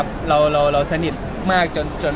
มีมีมีมีมีมีมี